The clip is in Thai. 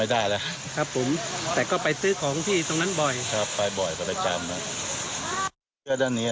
แต่ก็ไปซื้อของที่ตรงนั้นบ่อยครับไปบ่อยไปไปจำน่ะเพื่อด้านนี้